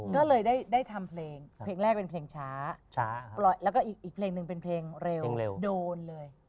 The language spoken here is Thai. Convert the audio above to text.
ก็เลยได้ทำเพลงเพลงแรกเป็นเพลงช้าแล้วก็อีกเพลงหนึ่งเป็นเพลงเร็วโดนเลย